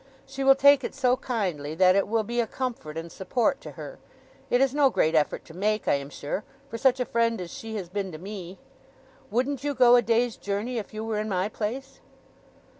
She will take it so kindly that it will be a comfort and support to her. It is no great effort to make, I am sure, for such a friend as she has been to me. Wouldn't you go a day's journey, if you were in my place?